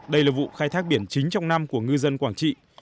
đây là vụ khai thác biển chính trong năm của ngư dân quảng trị